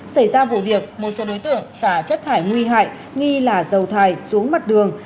xảy ra vụ việc một số đối tượng xả chất thải nguy hại nghi là dầu thải xuống mặt đường